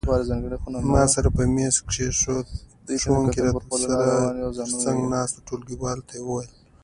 ما سر په مېز کېښود، ښوونکي را سره تر څنګ ناست ټولګیوال ته وویل.